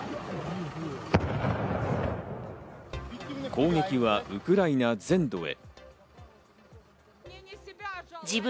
攻撃はウクライナ全土へ。